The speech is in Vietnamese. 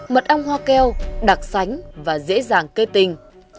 mật ong hoa keo đặc sánh và dễ dàng kê tình